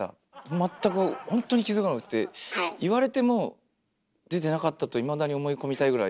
全くほんとに気づかなくて言われても出てなかったといまだに思い込みたいぐらい。